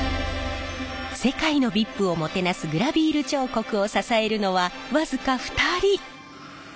世界のＶＩＰをもてなすグラヴィール彫刻を支えるのは僅か２人！